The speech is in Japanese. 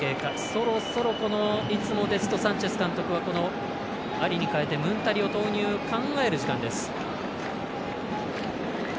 そろそろ、いつもですとサンチェス監督はアリに代えてムンタリの投入を考える時間です。